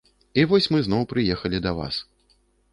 У вось мы зноў прыехалі да вас.